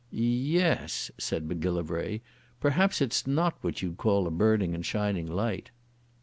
"Ye es," said Macgillivray. "Perhaps it's not what you'd call a burning and a shining light."